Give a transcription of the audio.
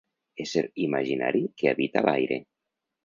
Ésser imaginari que habita l'aire.